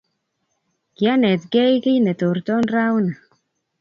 kianetgei kit netorton rauni